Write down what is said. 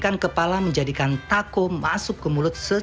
jadi kita akan menggunakan kualitas yang lebih sederhana